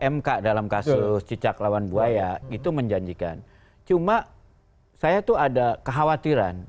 mk dalam kasus cicak lawan buaya itu menjanjikan cuma saya tuh ada kekhawatiran